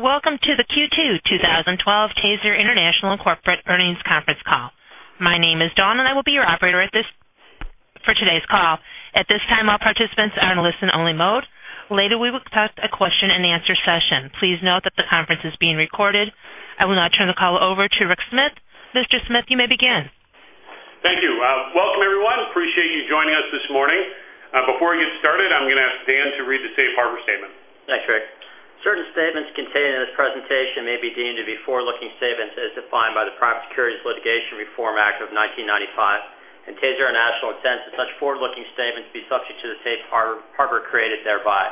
Welcome to the Q2 2012 TASER International corporate earnings conference call. My name is Dawn, and I will be your operator for today's call. At this time, all participants are in listen only mode. Later, we will conduct a question and answer session. Please note that the conference is being recorded. I will now turn the call over to Rick Smith. Mr. Smith, you may begin. Thank you. Welcome, everyone. Appreciate you joining us this morning. Before we get started, I'm going to ask Dan to read the safe harbor statement. Thanks, Rick. Certain statements contained in this presentation may be deemed to be forward-looking statements as defined by the Private Securities Litigation Reform Act of 1995, and TASER International intends that such forward-looking statements be subject to the safe harbor created thereby.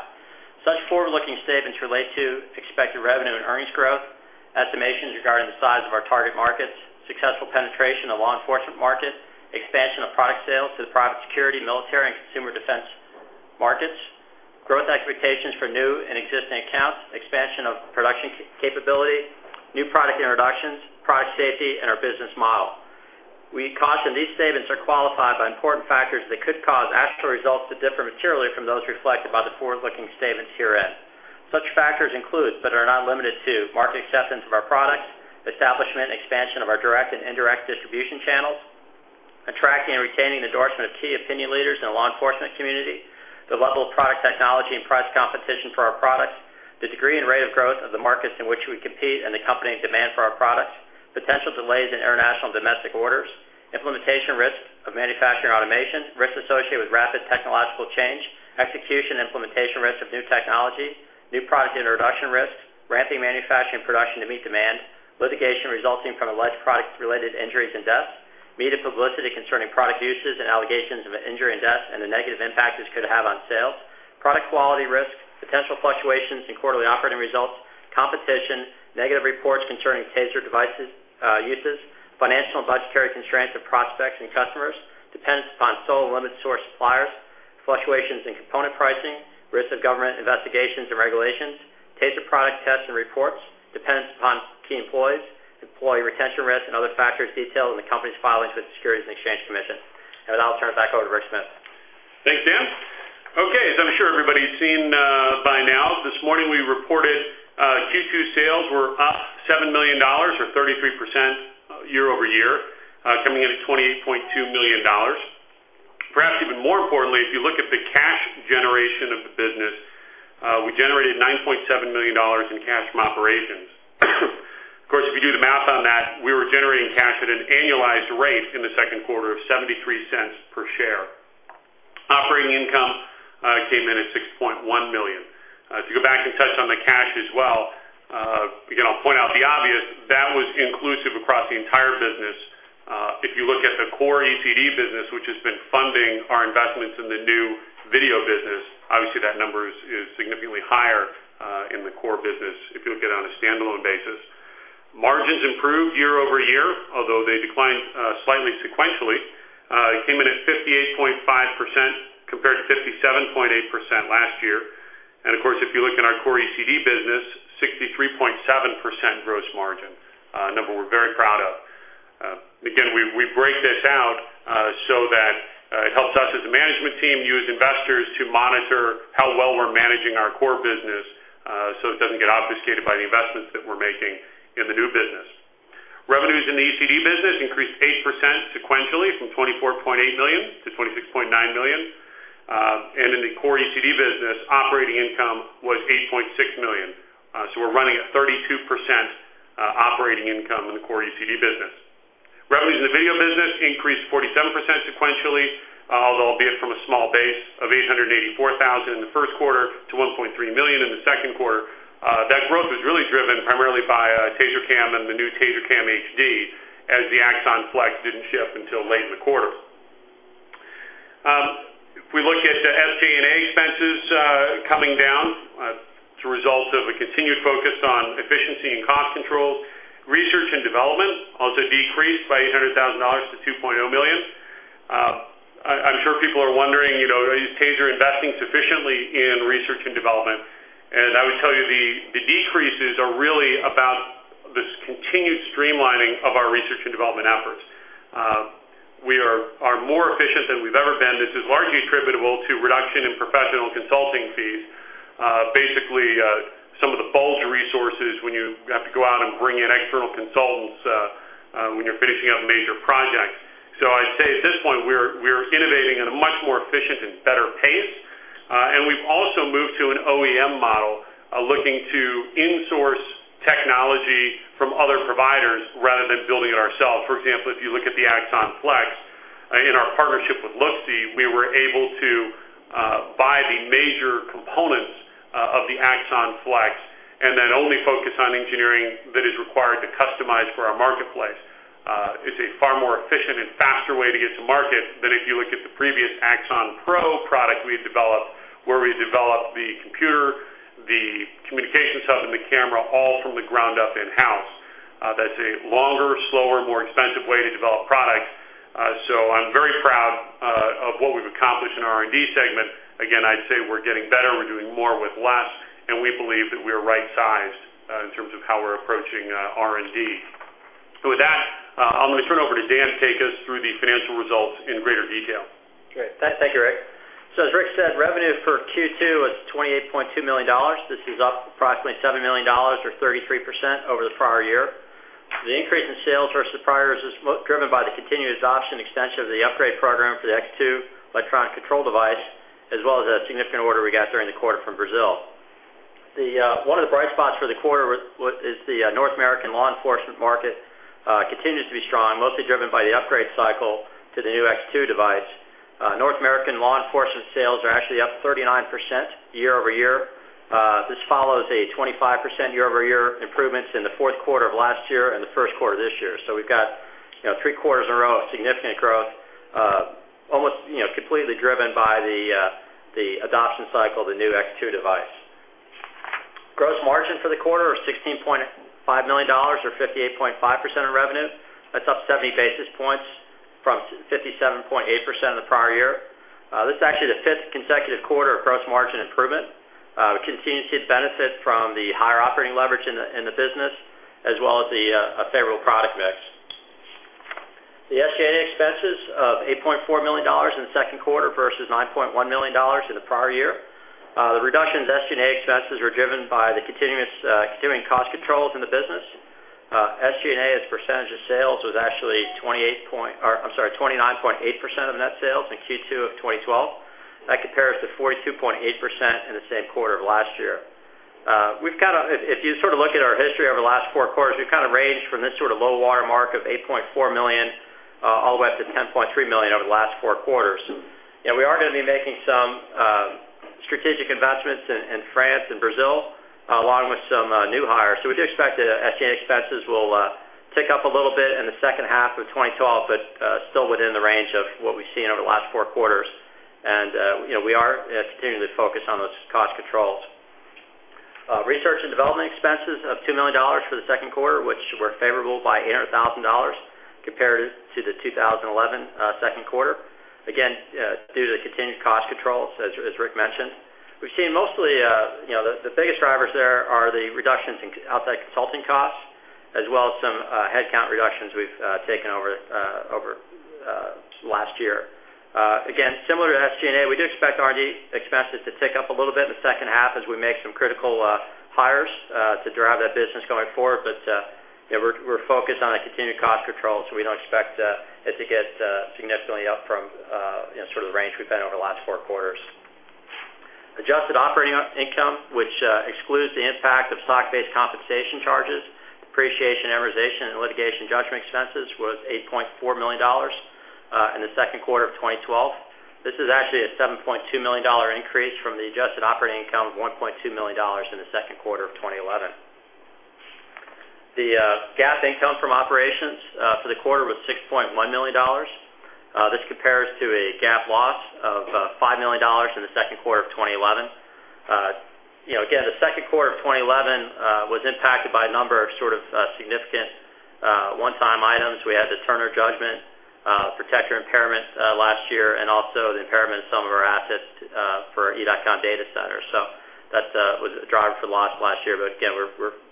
Such forward-looking statements relate to expected revenue and earnings growth, estimations regarding the size of our target markets, successful penetration of law enforcement market, expansion of product sales to the private security, military, and consumer defense markets, growth expectations for new and existing accounts, expansion of production capability, new product introductions, product safety, and our business model. We caution these statements are qualified by important factors that could cause actual results to differ materially from those reflected by the forward-looking statements herein. Such factors include, but are not limited to, market acceptance of our products, establishment and expansion of our direct and indirect distribution channels, attracting and retaining endorsement of key opinion leaders in the law enforcement community, the level of product technology and price competition for our products, the degree and rate of growth of the markets in which we compete and the accompanying demand for our products, potential delays in international and domestic orders, implementation risk of manufacturing automation, risks associated with rapid technological change, execution and implementation risk of new technology, new product introduction risks, ramping manufacturing production to meet demand, litigation resulting from alleged product-related injuries and deaths, media publicity concerning product uses and allegations of injury and death and the negative impact this could have on sales, product quality risk, potential fluctuations in quarterly operating results, competition, negative reports concerning TASER devices uses, financial and budgetary constraints of prospects and customers, dependence upon sole or limited source suppliers, fluctuations in component pricing, risks of government investigations and regulations, TASER product tests and reports, dependence upon key employees, employee retention risk, and other factors detailed in the company's filings with the Securities and Exchange Commission. I'll turn it back over to Rick Smith. Thanks, Dan. Okay. As I'm sure everybody's seen by now, this morning we reported Q2 sales were up $7 million, or 33% year-over-year, coming in at $28.2 million. Perhaps even more importantly, if you look at the cash generation of the business, we generated $9.7 million in cash from operations. Of course, if you do the math on that, we were generating cash at an annualized rate in the second quarter of $0.73 per share. Operating income came in at $6.1 million. If you go back and touch on the cash as well, again, I'll point out the obvious, that was inclusive across the entire business. If you look at the core ECD business, which has been funding our investments in the new video business, obviously that number is significantly higher in the core business if you look at it on a standalone basis. Margins improved year-over-year, although they declined slightly sequentially. It came in at 58.5% compared to 57.8% last year. Of course, if you look in our core ECD business, 63.7% gross margin, a number we're very proud of. Again, we break this out so that it helps us as a management team, you as investors, to monitor how well we're managing our core business so it doesn't get obfuscated by the investments that we're making in the new business. Revenues in the ECD business increased 8% sequentially from $24.8 million to $26.9 million. In the core ECD business, operating income was $8.6 million. We're running at 32% operating income in the core ECD business. Revenues in the video business increased 47% sequentially, albeit from a small base of $884,000 in the first quarter to $1.3 million in the second quarter. That growth was really driven primarily by TASER CAM and the new TASER CAM HD, as the Axon Flex didn't ship until late in the quarter. If we look at the SG&A expenses coming down as a result of a continued focus on efficiency and cost controls. Research and development also decreased by $800,000 to $2.0 million. I'm sure people are wondering, is TASER investing sufficiently in research and development? I would tell you the decreases are really about this continued streamlining of our research and development efforts. We are more efficient than we've ever been. This is largely attributable to reduction in professional consulting fees. Basically, some of the bulge resources when you have to go out and bring in external consultants when you're finishing up major projects. I'd say at this point, we're innovating at a much more efficient and better pace. We've also moved to an OEM model, looking to insource technology from other providers rather than building it ourselves. For example, if you look at the Axon Flex, in our partnership with Looxcie, we were able to buy the major components of the Axon Flex and then only focus on engineering that is required to customize for our marketplace. It's a far more efficient and faster way to get to market than if you look at the previous Axon Pro product we've developed where we developed the computer, the communication hub, and the camera all from the ground up in-house. That's a longer, slower, more expensive way to develop products. I'm very proud of what we've accomplished in our R&D segment. Again, I'd say we're getting better, we're doing more with less, and we believe that we are right-sized in terms of how we're approaching R&D. With that, I'm going to turn it over to Dan to take us through the financial results in greater detail. Great. Thank you, Rick. As Rick said, revenue for Q2 was $28.2 million. This is up approximately $7 million, or 33%, over the prior year. The increase in sales versus prior is driven by the continued adoption and extension of the upgrade program for the X2 electronic control device, as well as a significant order we got during the quarter from Brazil. One of the bright spots for the quarter is the North American law enforcement market continues to be strong, mostly driven by the upgrade cycle to the new X2 device. North American law enforcement sales are actually up 39% year-over-year. This follows a 25% year-over-year improvement in the fourth quarter of last year and the first quarter of this year. We've got three quarters in a row of significant growth, almost completely driven by the adoption cycle of the new X2 device. Gross margin for the quarter was $16.5 million, or 58.5% of revenue. That's up 70 basis points from 57.8% in the prior year. This is actually the fifth consecutive quarter of gross margin improvement. We continue to benefit from the higher operating leverage in the business, as well as the favorable product mix. The SG&A expenses of $8.4 million in the second quarter versus $9.1 million in the prior year. The reduction in SG&A expenses were driven by the continuing cost controls in the business. SG&A as a percentage of sales was actually 29.8% of net sales in Q2 of 2012. That compares to 42.8% in the same quarter of last year. If you look at our history over the last four quarters, we've ranged from this sort of low water mark of $8.4 million all the way up to $10.3 million over the last four quarters. We are going to be making some strategic investments in France and Brazil, along with some new hires. We do expect that SG&A expenses will tick up a little bit in the second half of 2012, but still within the range of what we've seen over the last four quarters. We are continuing to focus on those cost controls. Research and development expenses of $2 million for the second quarter, which were favorable by $800,000 compared to the 2011 second quarter. Again, due to the continued cost controls, as Rick mentioned. The biggest drivers there are the reductions in outside consulting costs, as well as some headcount reductions we've taken over last year. Again, similar to SG&A, we do expect R&D expenses to tick up a little bit in the second half as we make some critical hires to drive that business going forward. We're focused on the continued cost controls, we don't expect it to get significantly up from the sort of range we've been over the last four quarters. Adjusted operating income, which excludes the impact of stock-based compensation charges, depreciation, amortization, and litigation judgment expenses, was $8.4 million in the second quarter of 2012. This is actually a $7.2 million increase from the adjusted operating income of $1.2 million in the second quarter of 2011. The GAAP income from operations for the quarter was $6.1 million. This compares to a GAAP loss of $5 million in the second quarter of 2011. Again, the second quarter of 2011 was impacted by a number of sort of significant one-time items. We had the Turner judgment protector impairment last year, and also the impairment of some of our assets for Evidence.com data centers. That was a driver for the loss last year. Again,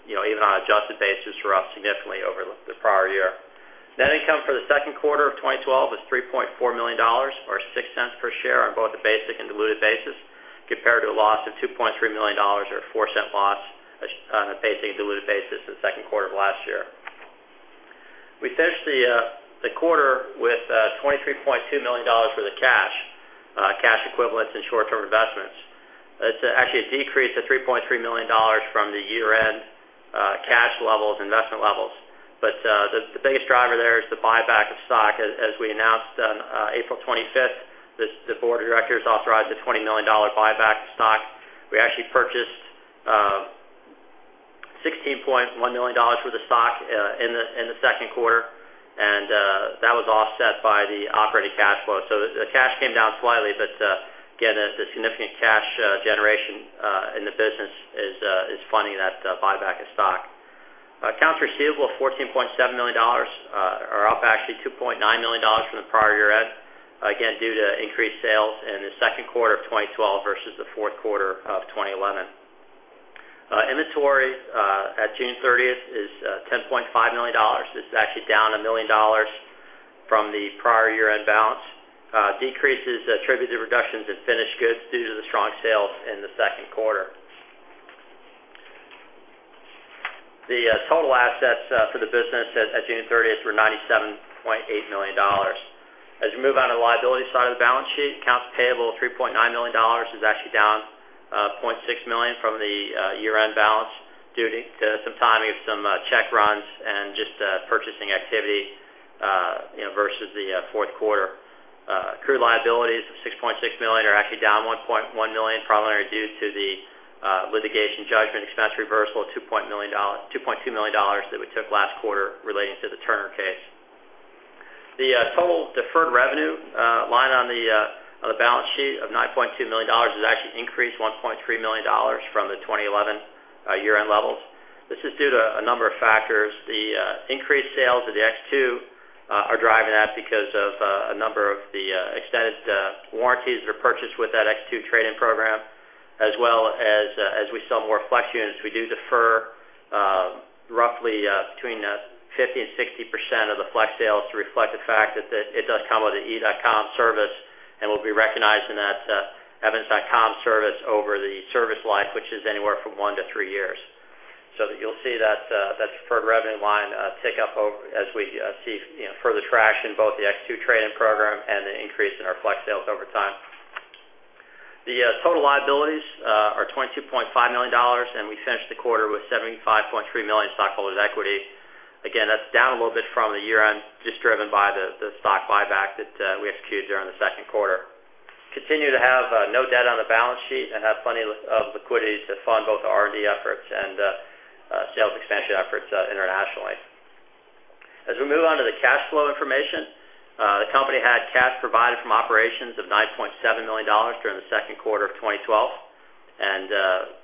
even on an adjusted basis, we're up significantly over the prior year. Net income for the second quarter of 2012 was $3.4 million, or $0.06 per share on both a basic and diluted basis, compared to a loss of $2.3 million, or a $0.04 loss on a basic and diluted basis in the second quarter of last year. We finished the quarter with $23.2 million worth of cash equivalents, and short-term investments. That's actually a decrease of $3.3 million from the year-end cash levels, investment levels. The biggest driver there is the buyback of stock. As we announced on April 25th, the board of directors authorized a $20 million buyback of stock. We actually purchased $16.1 million worth of stock in the second quarter, that was offset by the operating cash flow. The cash came down slightly. Again, the significant cash generation in the business is funding that buyback of stock. Accounts receivable of $14.7 million are up actually $2.9 million from the prior year end, again, due to increased sales in the second quarter of 2012 versus the fourth quarter of 2011. Inventory at June 30th is $10.5 million. This is actually down $1 million from the prior year-end balance. Decreases attributed to reductions in finished goods due to the strong sales in the second quarter. The total assets for the business at June 30th were $97.8 million. As we move on to the liability side of the balance sheet, accounts payable of $3.9 million is actually down $0.6 million from the year-end balance due to some timing of some check runs and just purchasing activity versus the fourth quarter. Accrued liabilities of $6.6 million are actually down $1.1 million, primarily due to the litigation judgment expense reversal of $2.2 million that we took last quarter relating to the Turner case. The total deferred revenue line on the balance sheet of $9.2 million is actually increased $1.3 million from the 2011 year-end levels. This is due to a number of factors. The increased sales of the X2 are driving that because of a number of the extended warranties that are purchased with that X2 trade-in program, as well as we sell more Flex units. We do defer roughly between 50% and 60% of the Flex sales to reflect the fact that it does come with an Evidence.com service, and we'll be recognizing that Evidence.com service over the service life, which is anywhere from one to three years. That you'll see that deferred revenue line tick up as we see further traction, both the X2 trade-in program and the increase in our Flex sales over time. The total liabilities are $22.5 million, and we finished the quarter with $75.3 million stockholders' equity. Again, that's down a little bit from the year-end, just driven by the stock buyback that we executed during the second quarter. Continue to have no debt on the balance sheet and have plenty of liquidity to fund both the R&D efforts and sales expansion efforts internationally. As we move on to the cash flow information, the company had cash provided from operations of $9.7 million during the second quarter of 2012.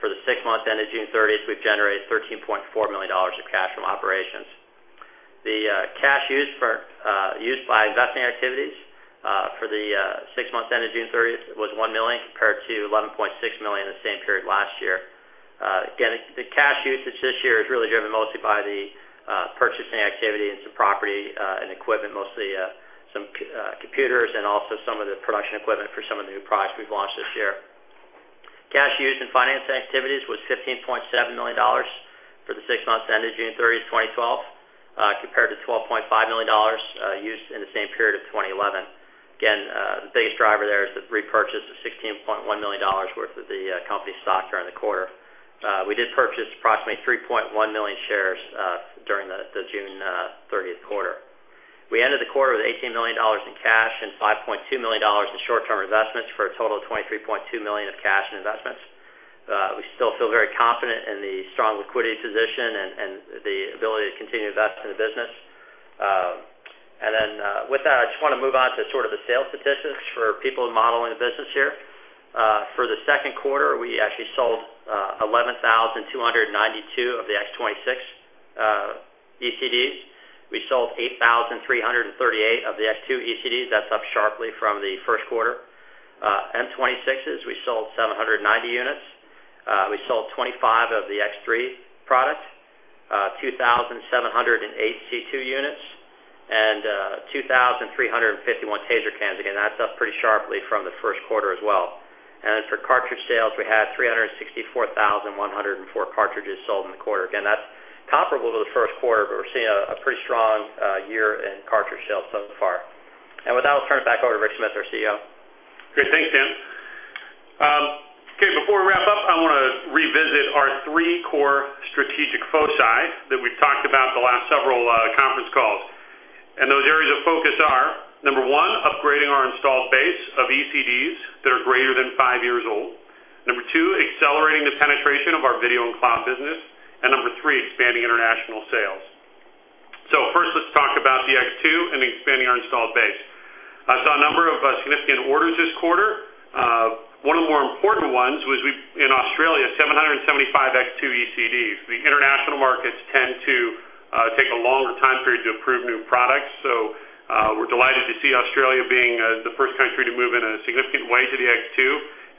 For the six months ended June 30th, we've generated $13.4 million of cash from operations. The cash used by investing activities for the six months ended June 30th was $1 million, compared to $11.6 million in the same period last year. Again, the cash usage this year is really driven mostly by the purchasing activity and some property and equipment, mostly some computers and also some of the production equipment for some of the new products we've launched this year. Cash used in financing activities was $15.7 million for the six months ended June 30th, 2012, compared to $12.5 million used in the same period of 2011. Again, the biggest driver there is the repurchase of $16.1 million worth of the company's stock during the quarter. We did purchase approximately 3.1 million shares during the June 30th quarter. We ended the quarter with $18 million in cash and $5.2 million in short-term investments, for a total of $23.2 million of cash in investments. We still feel very confident in the strong liquidity position and the ability to continue to invest in the business. With that, I just want to move on to sort of the sales statistics for people modeling the business here. For the second quarter, we actually sold 11,292 of the X26 ECDs. We sold 8,338 of the X2 ECDs. That's up sharply from the first quarter. M26s, we sold 790 units. We sold 25 of the X3 product, 2,708 C2 units, and 2,351 TASER CAMs. Again, that's up pretty sharply from the first quarter as well. For cartridge sales, we had 364,104 cartridges sold in the quarter. Again, that's comparable to the first quarter, but we're seeing a pretty strong year in cartridge sales so far. With that, I'll turn it back over to Rick Smith, our CEO. Great. Thanks, Dan. Before we wrap up, I want to revisit our three core strategic foci that we've talked about the last several conference calls. Those areas of focus are, number one, upgrading our installed base of ECDs that are greater than five years old. Number two, accelerating the penetration of our video and cloud business. Number three, expanding international sales. First, let's talk about the X2 and expanding our installed base. I saw a number of significant orders this quarter. One of the more important ones was in Australia, 775 X2 ECDs. The international markets tend to take a longer time period to approve new products, so we're delighted to see Australia being the first country to move in a significant way to the X2,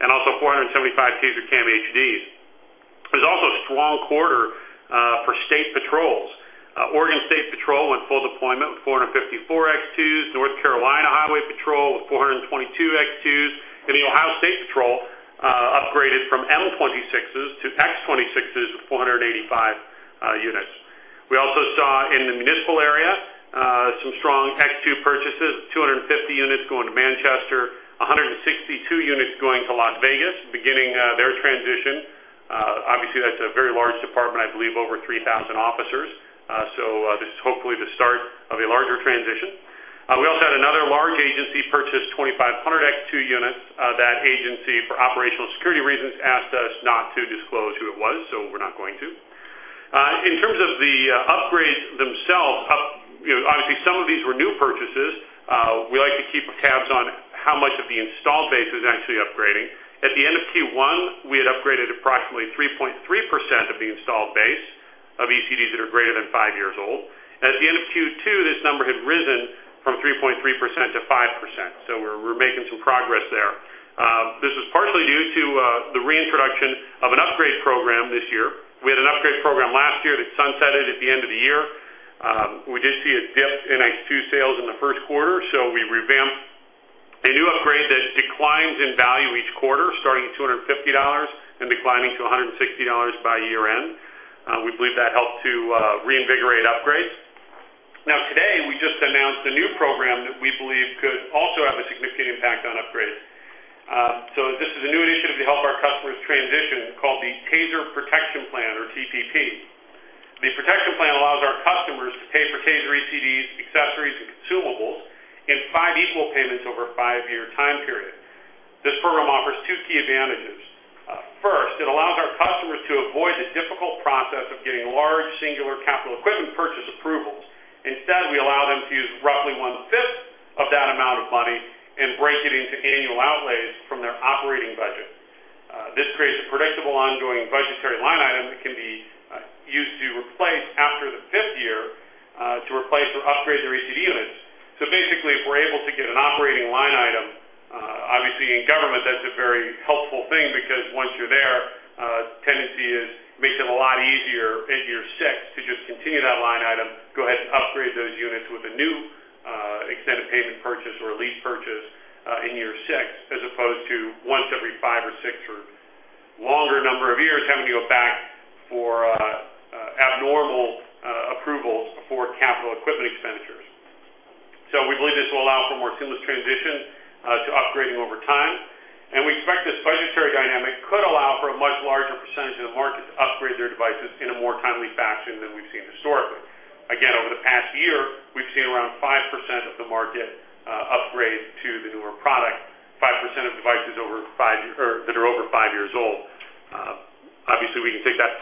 and also 475 TASER CAM HDs. It was also a strong quarter for state patrols. Oregon State Patrol went full deployment with 454 X2s, North Carolina State Highway Patrol with 422 X2s, and the Ohio State Highway Patrol upgraded from M26s to X26s with 485 units. We also saw in the municipal area some strong X2 purchases, 250 units going to Manchester, 162 units going to Las Vegas, beginning their transition. Obviously, that's a very large department, I believe over 3,000 officers. This is hopefully the start of a larger transition. We also had another large agency purchase 2,500 X2 units. That agency, for operational security reasons, asked us not to disclose who it was, so we're not going to. In terms of the upgrades themselves, obviously some of these were new purchases. We like to keep tabs on how much of the installed base is actually upgrading. At the end of Q1, we had upgraded approximately 3.3% of the installed base of ECDs that are greater than five years old. At the end of Q2, this number had risen from 3.3% to 5%, so we're making some progress there. This was partially due to the reintroduction of an upgrade program this year. We had an upgrade program last year that sunsetted at the end of the year. We did see a dip in X2 sales in the first quarter, so we revamped a new upgrade that declines in value each quarter, starting at $250 and declining to $160 by year-end. We believe that helped to reinvigorate upgrades. Today, we just announced a new program that we believe could also have a significant impact on upgrades. This is a new initiative to help our customers transition called the TASER Protection Plan, or TPP. The protection plan allows our customers to pay for TASER ECDs, accessories, and consumables in five equal payments over a five-year time period. This program offers two key advantages. First, it allows our customers to avoid the difficult process of getting large, singular capital equipment purchase approvals. Instead, we allow them to use roughly one-fifth and break it into annual outlays from their operating budget. This creates a predictable ongoing budgetary line item that can be used to replace after the fifth year, to replace or upgrade their ECD units. Basically, if we're able to get an operating line item, obviously in government, that's a very helpful thing, because once you're there, tendency is makes it a lot easier in year six to just continue that line item, go ahead and upgrade those units with a new extended payment purchase or a lease purchase in year six, as opposed to once every five or six or longer number of years, having to go back for abnormal approvals for capital equipment expenditures. We believe this will allow for a more seamless transition to upgrading over time, and we expect this budgetary dynamic could allow for a much larger % of the market to upgrade their devices in a more timely fashion than we've seen historically. Over the past year, we've seen around 5% of the market upgrade to the newer product, 5% of devices that are over five years old. Obviously, we can take that 5%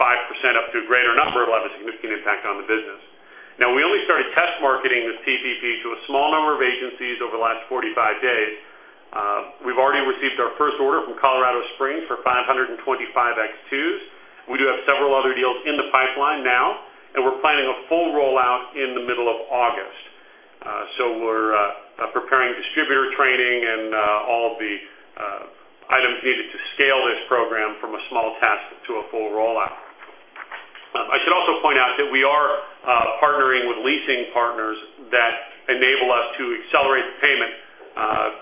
up to a greater number. It'll have a significant impact on the business. We only started test marketing this TPP to a small number of agencies over the last 45 days. We've already received our first order from Colorado Springs for 525 X2s. We do have several other deals in the pipeline now, and we're planning a full rollout in the middle of August. We're preparing distributor training and all of the items needed to scale this program from a small test to a full rollout. I should also point out that we are partnering with leasing partners that enable us to accelerate the payment,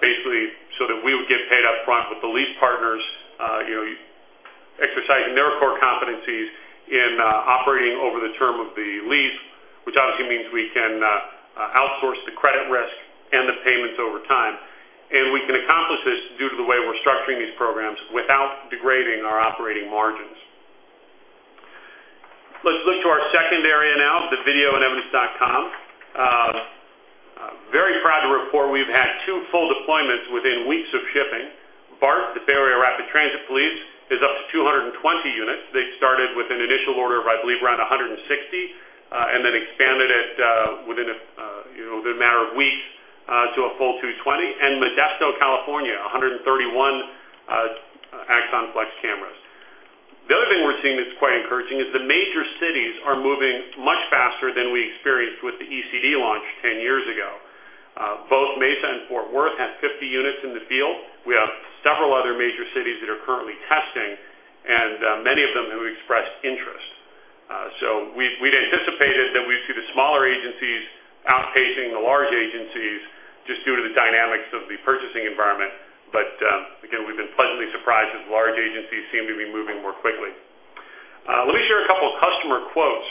basically so that we would get paid up front with the lease partners exercising their core competencies in operating over the term of the lease, which obviously means we can outsource the credit risk and the payments over time. We can accomplish this due to the way we're structuring these programs without degrading our operating margins. Let's flip to our second area now, the video and Evidence.com. Very proud to report we've had two full deployments within weeks of shipping. BART, the Bay Area Rapid Transit Police, is up to 220 units. They started with an initial order of, I believe, around 160, and then expanded it within a matter of weeks to a full 220. Modesto, California, 131 Axon Flex cameras. The other thing we're seeing that's quite encouraging is the major cities are moving much faster than we experienced with the ECD launch 10 years ago. Both Mesa and Fort Worth have 50 units in the field. We have several other major cities that are currently testing and many of them who expressed interest. We'd anticipated that we'd see the smaller agencies outpacing the large agencies just due to the dynamics of the purchasing environment. Again, we've been pleasantly surprised as large agencies seem to be moving more quickly. Let me share a couple of customer quotes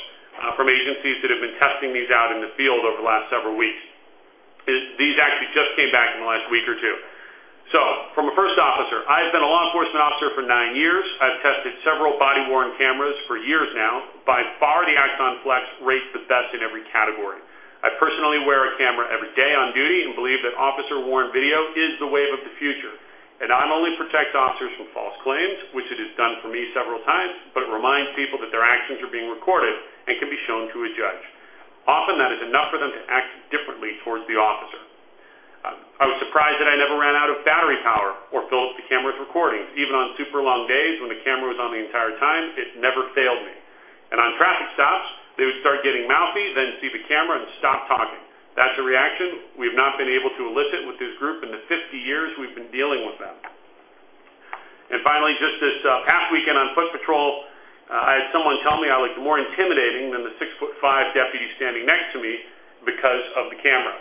from agencies that have been testing these out in the field over the last several weeks. These actually just came back in the last week or two. From a first officer, "I've been a law enforcement officer for nine years. I've tested several body-worn cameras for years now. By far, the Axon Flex rates the best in every category. I personally wear a camera every day on duty and believe that officer-worn video is the wave of the future. It not only protects officers from false claims, which it has done for me several times, but it reminds people that their actions are being recorded and can be shown to a judge. Often, that is enough for them to act differently towards the officer. I was surprised that I never ran out of battery power or filled up the camera's recordings. Even on super long days when the camera was on the entire time, it never failed me. And on traffic stops, they would start getting mouthy, then see the camera and stop talking. That's a reaction we've not been able to elicit with this group in the 50 years we've been dealing with them." And finally, "Just this past weekend on foot patrol, I had someone tell me I looked more intimidating than the six-foot-five deputy standing next to me because of the camera."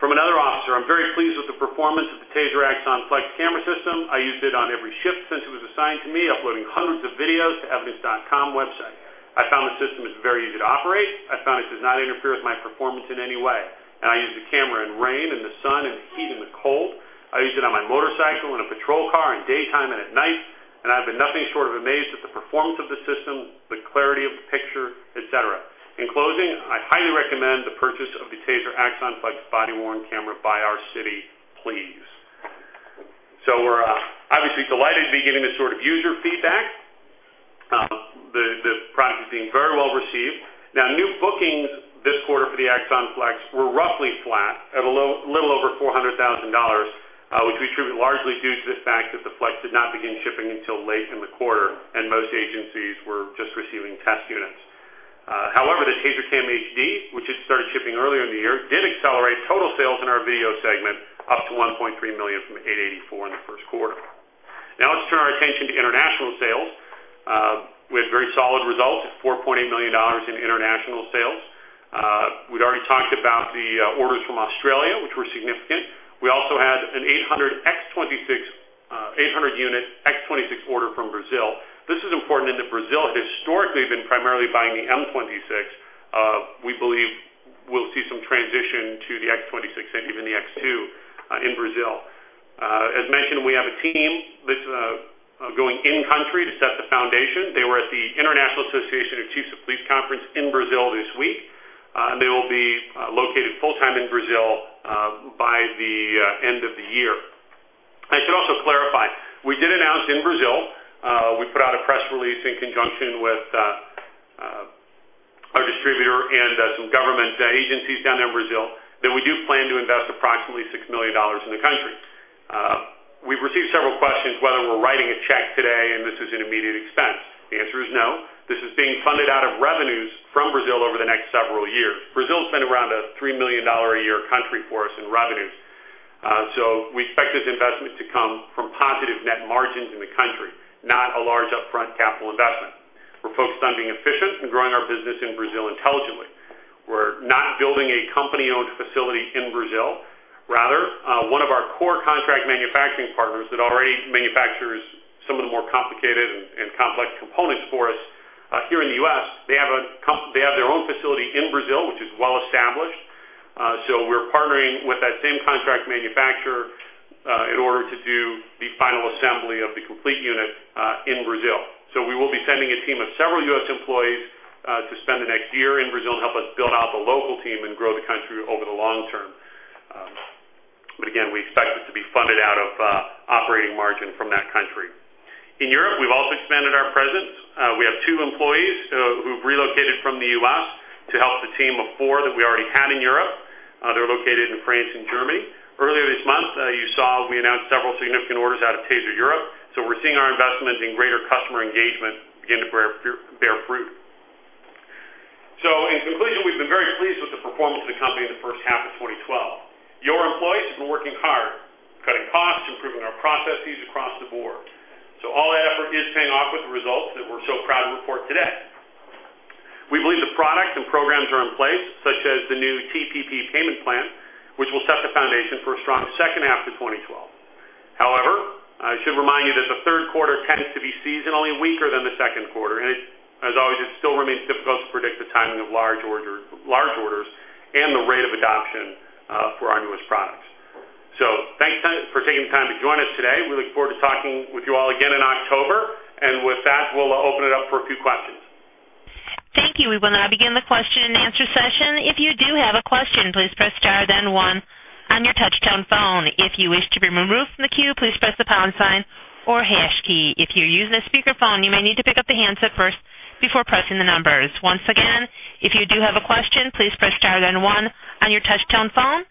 From another officer, "I'm very pleased with the performance of the TASER Axon Flex camera system. I used it on every shift since it was assigned to me, uploading hundreds of videos to Evidence.com website. I found the system is very easy to operate. I found it does not interfere with my performance in any way. And I use the camera in rain, in the sun, in the heat, in the cold. I use it on my motorcycle, in a patrol car, in daytime, and at night, and I've been nothing short of amazed at the performance of the system, the clarity of the picture, et cetera. In closing, I highly recommend the purchase of the TASER Axon Flex body-worn camera by our city. Please." So we're obviously delighted to be getting this sort of user feedback. The product is being very well received. New bookings this quarter for the Axon Flex were roughly flat at a little over $400,000, which we attribute largely due to the fact that the Flex did not begin shipping until late in the quarter and most agencies were just receiving test units. However, the TASER CAM HD, which had started shipping earlier in the year, did accelerate total sales in our video segment up to $1.3 million from $884,000 in the first quarter. Let's turn our attention to international sales. We had very solid results at $4.8 million in international sales. We'd already talked about the orders from Australia, which were significant. We also had an 800 unit X26 order from Brazil. This is important as Brazil historically has been primarily buying the M26. We believe we'll see some transition to the X26 and even the X2 in Brazil. As mentioned, we have a team that's going in-country to set the foundation. They were at the International Association of Chiefs of Police Conference in Brazil this week. And they will be located full-time in Brazil by the end of the year. In Brazil, we put out a press release in conjunction with our distributor and some government agencies down in Brazil that we do plan to invest approximately $6 million in the country. We've received several questions whether we're writing a check today, this is an immediate expense. The answer is no. This is being funded out of revenues from Brazil over the next several years. Brazil's been around a $3 million a year country for us in revenues. We expect this investment to come from positive net margins in the country, not a large upfront capital investment. We're focused on being efficient and growing our business in Brazil intelligently. We're not building a company-owned facility in Brazil. Rather, one of our core contract manufacturing partners that already manufactures some of the more complicated and complex components for us here in the U.S., they have their own facility in Brazil, which is well-established. We're partnering with that same contract manufacturer, in order to do the final assembly of the complete unit, in Brazil. We will be sending a team of several U.S. employees to spend the next year in Brazil and help us build out the local team and grow the country over the long term. Again, we expect it to be funded out of operating margin from that country. In Europe, we've also expanded our presence. We have two employees who've relocated from the U.S. to help the team of four that we already had in Europe. They're located in France and Germany. Earlier this month, you saw we announced several significant orders out of TASER Europe, we're seeing our investment in greater customer engagement begin to bear fruit. In conclusion, we've been very pleased with the performance of the company in the first half of 2012. Your employees have been working hard, cutting costs, improving our processes across the board. All that effort is paying off with the results that we're so proud to report today. We believe the products and programs are in place, such as the new TPP payment plan, which will set the foundation for a strong second half to 2012. However, I should remind you that the third quarter tends to be seasonally weaker than the second quarter, as always, it still remains difficult to predict the timing of large orders and the rate of adoption for our newest products. Thanks for taking the time to join us today. We look forward to talking with you all again in October. With that, we'll open it up for a few questions. Thank you. We will now begin the question and answer session. If you do have a question, please press star then one on your touchtone phone. If you wish to be removed from the queue, please press the pound sign or hash key. If you're using a speakerphone, you may need to pick up the handset first before pressing the numbers. Once again, if you do have a question, please press star then one on your touchtone phone.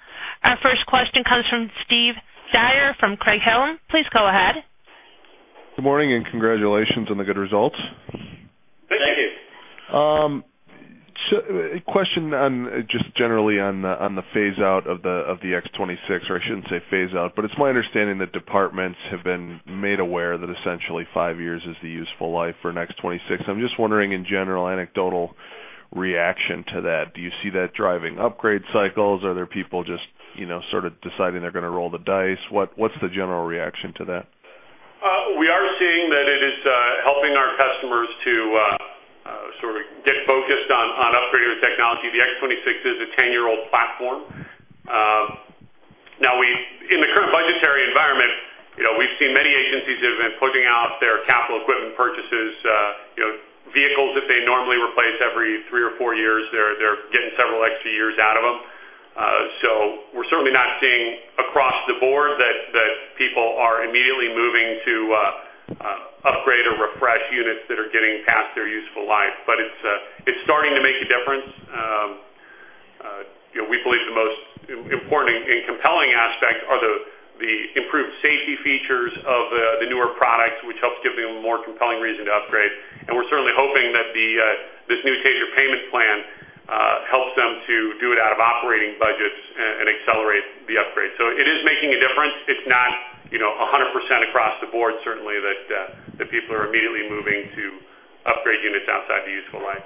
Our first question comes from Steve Dyer from Craig-Hallum. Please go ahead. Good morning, and congratulations on the good results. Thank you. A question just generally on the phase-out of the X26, or I shouldn't say phase-out, but it's my understanding that departments have been made aware that essentially five years is the useful life for an X26. I'm just wondering in general anecdotal reaction to that. Do you see that driving upgrade cycles? Are there people just sort of deciding they're gonna roll the dice? What's the general reaction to that? We are seeing that it is helping our customers to sort of get focused on upgrading their technology. The X26 is a 10-year-old platform. Now, in the current budgetary environment, we've seen many agencies have been putting out their capital equipment purchases. Vehicles that they normally replace every three or four years, they're getting several extra years out of them. We're certainly not seeing across the board that people are immediately moving to upgrade or refresh units that are getting past their useful life, but it's starting to make a difference. We believe the most important and compelling aspect are the improved safety features of the newer products, which helps give them a more compelling reason to upgrade. We're certainly hoping that this new TASER Protection Plan helps them to do it out of operating budgets and accelerate the upgrade. It is making a difference. It's not 100% across the board certainly that people are immediately moving to upgrade units outside the useful life.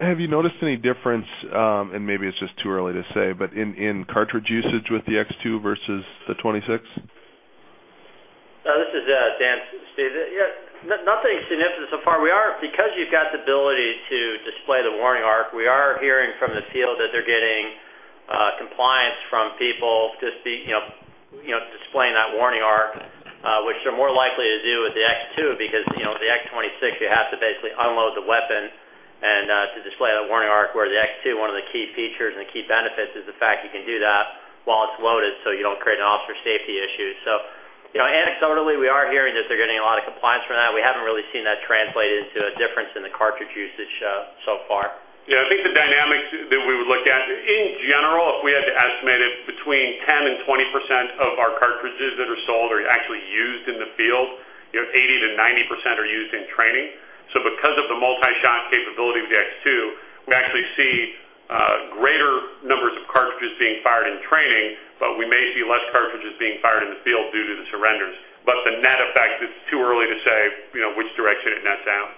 Have you noticed any difference, and maybe it's just too early to say, but in cartridge usage with the X2 versus the X26? This is Dan. Steve, nothing significant so far. Because you've got the ability to display the warning arc, we are hearing from the field that they're getting compliance from people just displaying that warning arc, which they're more likely to do with the X2 because the X26, you have to basically unload the weapon to display that warning arc, where the X2, one of the key features and the key benefits is the fact you can do that while it's loaded, so you don't create an officer safety issue. Anecdotally, we are hearing that they're getting a lot of compliance from that. We haven't really seen that translate into a difference in the cartridge usage so far. Yeah. I think the dynamics that we would look at, in general, if we had to estimate it, between 10%-20% of our cartridges that are sold are actually used in the field. 80%-90% are used in training. Because of the multi-shot capability of the X2, we actually see greater numbers of cartridges being fired in training, but we may see less cartridges being fired in the field due to the surrenders. The net effect, it's too early to say which direction it nets out.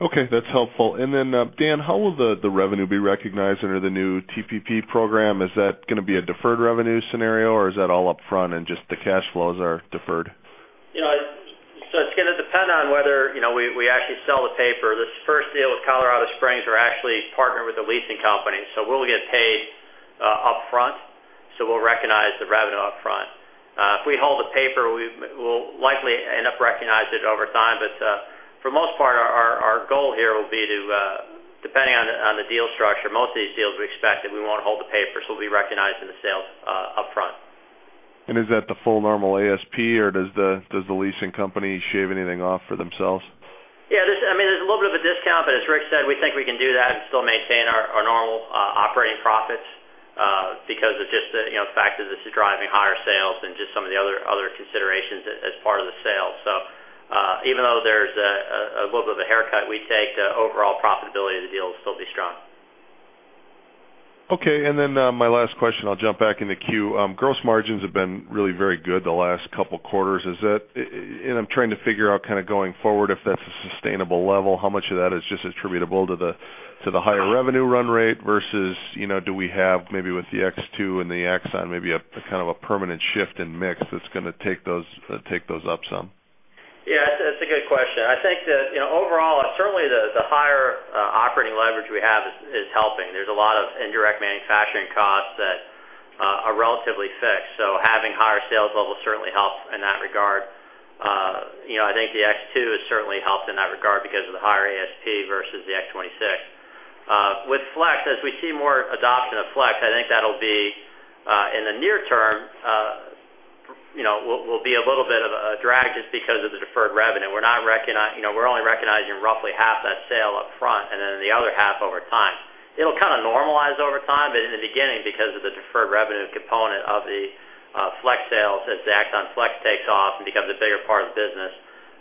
Okay. That's helpful. Then, Dan, how will the revenue be recognized under the new TPP program? Is that gonna be a deferred revenue scenario, or is that all upfront and just the cash flows are deferred? It's gonna depend on whether we actually sell the paper. This first deal with Colorado Springs, we're actually partnered with a leasing company, so we'll get paid upfront. We'll recognize the revenue upfront. If we hold the paper, we'll likely end up recognizing it over time. For the most part, our goal here will be to, depending on the deal structure, most of these deals, we expect that we won't hold the paper, so it'll be recognized in the sales upfront. Is that the full normal ASP, or does the leasing company shave anything off for themselves? Yeah. There's a little bit of a discount, as Rick said, we think we can do that and still maintain our normal operating profits, because of just the fact that this is driving higher sales and just some of the other considerations as part of the sale. Even though there's a little bit of a haircut we take, the overall profitability of the deal will still be strong. Okay, my last question, I'll jump back in the queue. Gross margins have been really very good the last couple of quarters. I'm trying to figure out going forward, if that's a sustainable level, how much of that is just attributable to the higher revenue run rate versus, do we have, maybe with the X2 and the Axon, maybe a kind of a permanent shift in mix that's going to take those up some? Yeah, that's a good question. I think that overall, certainly the higher operating leverage we have is helping. There's a lot of indirect manufacturing costs that are relatively fixed, having higher sales levels certainly helps in that regard. I think the X2 has certainly helped in that regard because of the higher ASP versus the X26. With Flex, as we see more adoption of Flex, I think that'll be, in the near term, a little bit of a drag just because of the deferred revenue. We're only recognizing roughly half that sale up front, and then the other half over time. It'll kind of normalize over time. In the beginning, because of the deferred revenue component of the Flex sales, as the Axon Flex takes off and becomes a bigger part of the business,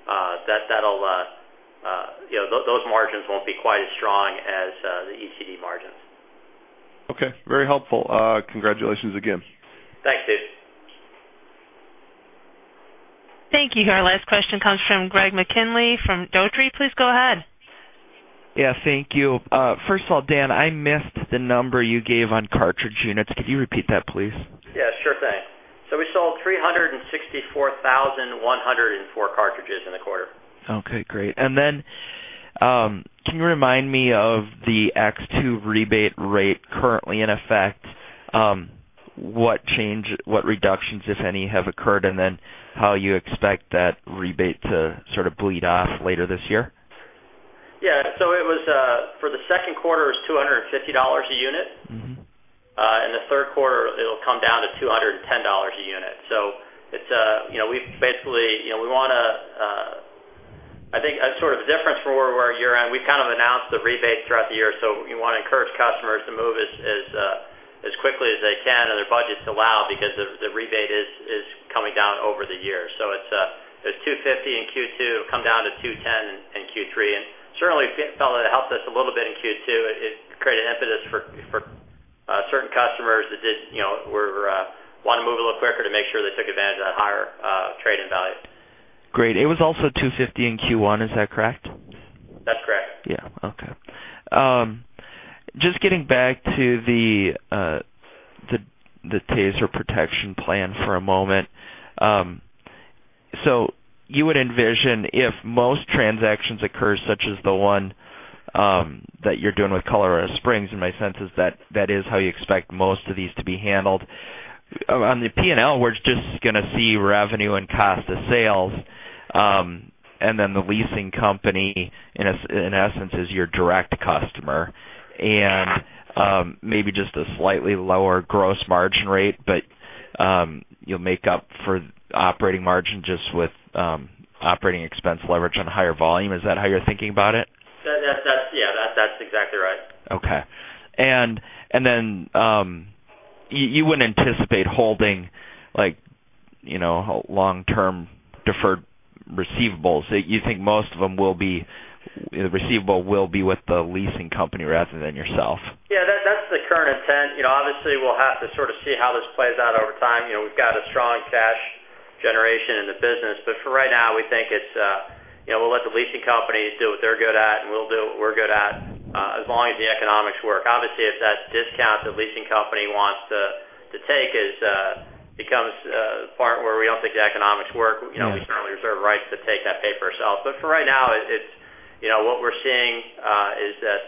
those margins won't be quite as strong as the ECD margins. Okay. Very helpful. Congratulations again. Thanks, Steve. Thank you. Our last question comes from Greg McKinley from Dougherty. Please go ahead. Yeah, thank you. First of all, Dan, I missed the number you gave on cartridge units. Could you repeat that, please? Yeah, sure thing. We sold 364,104 cartridges in the quarter. Okay, great. Can you remind me of the X2 rebate rate currently in effect? What reductions, if any, have occurred, and then how you expect that rebate to sort of bleed off later this year? Yeah. For the second quarter, it was $250 a unit. In the third quarter, it'll come down to $210 a unit. I think as sort of difference from where we were year-on, we've kind of announced the rebates throughout the year. We want to encourage customers to move as quickly as they can and their budgets allow because the rebate is coming down over the year. It's $250 in Q2, it'll come down to $210 in Q3. Certainly, felt that it helped us a little bit in Q2. It created impetus for certain customers that did want to move a little quicker to make sure they took advantage of that higher trade-in value. Great. It was also $250 in Q1, is that correct? That's correct. Yeah. Okay. Getting back to the TASER Protection Plan for a moment. You would envision if most transactions occur, such as the one that you're doing with Colorado Springs, and my sense is that is how you expect most of these to be handled. On the P&L, we're just going to see revenue and cost of sales. The leasing company, in essence, is your direct customer. Maybe just a slightly lower gross margin rate, but you'll make up for operating margin just with operating expense leverage on higher volume. Is that how you're thinking about it? Yeah. That's exactly right. Okay. You wouldn't anticipate holding long-term deferred receivables. You think most of them, the receivable will be with the leasing company rather than yourself. Yeah, that's the current intent. Obviously, we'll have to sort of see how this plays out over time. We've got a strong cash generation in the business. For right now, we think we'll let the leasing companies do what they're good at, and we'll do what we're good at, as long as the economics work. Obviously, if that discount the leasing company wants to take becomes a part where we don't think the economics work, we certainly reserve rights to take that paper ourself. For right now, what we're seeing, is that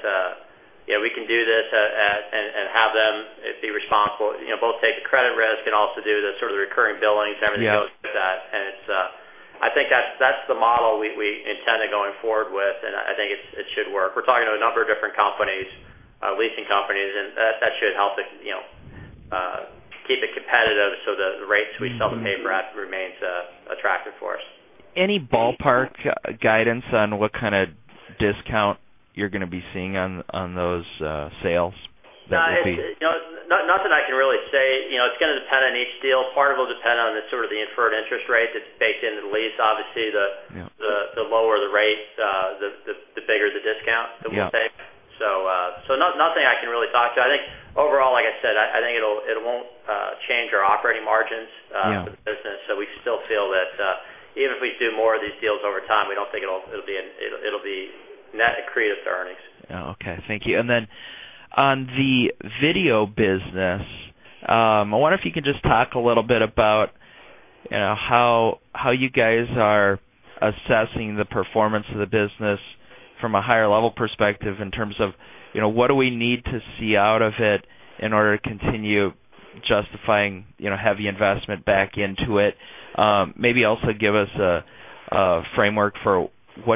we can do this and have them be responsible, both take the credit risk and also do the sort of recurring billings and everything else with that. Yeah. I think that's the model we intend on going forward with, I think it should work. We're talking to a number of different companies, leasing companies. That should help keep it competitive so the rates we sell the paper at remains attractive for us. Any ballpark guidance on what kind of discount you're going to be seeing on those sales? No. Nothing I can really say. It's going to depend on each deal. Part of it will depend on the sort of the inferred interest rate that's baked into the lease. Yeah Lower the rate, the bigger the discount that we take. Yeah. Nothing I can really talk to. I think overall, like I said, I think it won't change our operating margins. Yeah For the business. We still feel that even if we do more of these deals over time, we don't think it'll be net accretive to earnings. Oh, okay. Thank you. Then on the video business, I wonder if you could just talk a little bit about how you guys are assessing the performance of the business from a higher level perspective in terms of, what do we need to see out of it in order to continue justifying heavy investment back into it. Maybe also give us a framework for what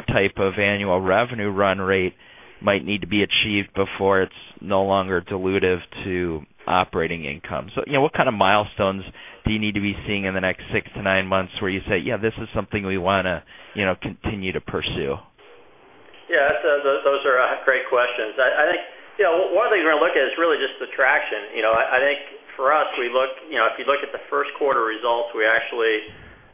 type of annual revenue run rate might need to be achieved before it's no longer dilutive to operating income. What kind of milestones do you need to be seeing in the next six to nine months where you say, "Yeah, this is something we want to continue to pursue? Yeah, those are great questions. I think one of the things we're going to look at is really just the traction. I think for us, if you look at the first quarter results, we actually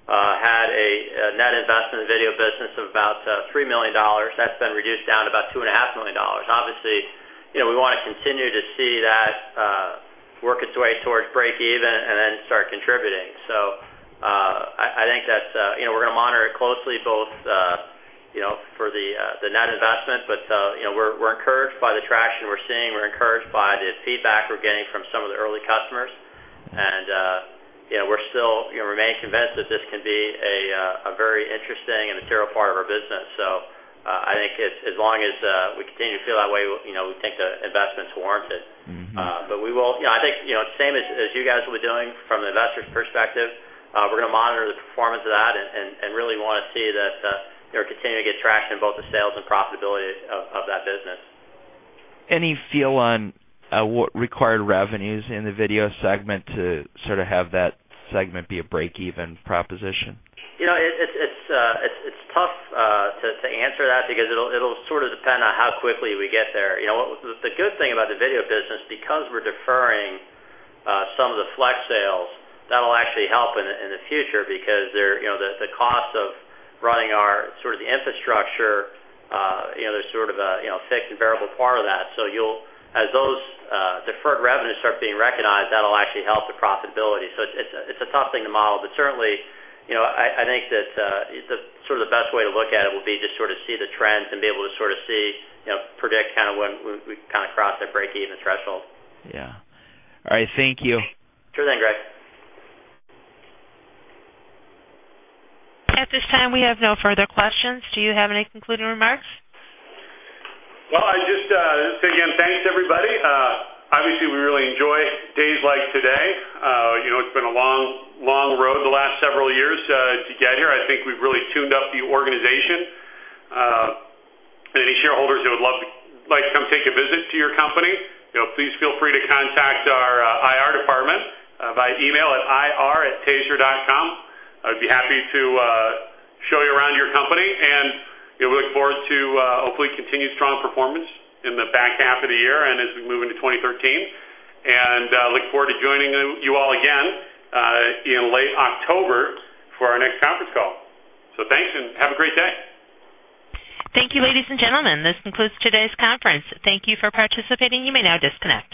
had a net investment in the video business of about $3 million. That's been reduced down to about $2.5 million. Obviously, we want to continue to see that work its way towards break even and then start contributing. I think that we're going to monitor it closely, both for the net investment, but we're encouraged by the traction we're seeing. We're encouraged by the feedback we're getting from some of the early customers. We still remain convinced that this can be a very interesting and material part of our business. I think as long as we continue to feel that way, we think the investment's warranted. I think the same as you guys will be doing from an investor's perspective, we're going to monitor the performance of that and really want to see that we continue to get traction in both the sales and profitability of that business. Any feel on what required revenues in the video segment to sort of have that segment be a break-even proposition? It's tough to answer that because it'll sort of depend on how quickly we get there. The good thing about the video business, because we're deferring some of the Flex sales, that'll actually help in the future because the cost of running our sort of the infrastructure, there's sort of a fixed and variable part of that. As those deferred revenues start being recognized, that'll actually help the profitability. It's a tough thing to model, but certainly, I think that sort of the best way to look at it will be just sort of see the trends and be able to sort of see, predict kind of when we kind of cross that break-even threshold. Yeah. All right, thank you. Sure thing, Greg. At this time, we have no further questions. Do you have any concluding remarks? Well, I'd just say again, thanks, everybody. Obviously, we really enjoy days like today. It's been a long road the last several years to get here. I think we've really tuned up the organization. Any shareholders that would like to come take a visit to your company, please feel free to contact our IR department by email at ir@taser.com. I'd be happy to show you around your company, and we look forward to hopefully continued strong performance in the back half of the year and as we move into 2013. Look forward to joining you all again in late October for our next conference call. Thanks, and have a great day. Thank you, ladies and gentlemen. This concludes today's conference. Thank you for participating. You may now disconnect.